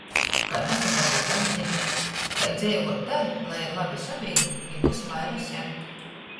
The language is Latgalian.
Kai nasadagūt atdzimt. Kai dzeivuot tai, lai ir labi sovejim i vysu vaira sev.